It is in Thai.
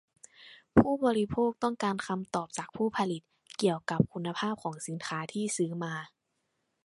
ผู้บริโภคต้องการคำตอบจากผู้ผลิตเกี่ยวกับคุณภาพของสินค้าที่ซื้อมา